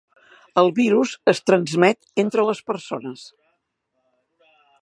El virus es transmet entre les persones.